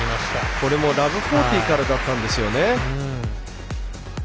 これも０−４０からだったんですよね。